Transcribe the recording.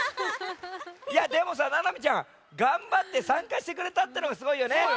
いやでもさななみちゃんがんばってさんかしてくれたってのがすごいよね。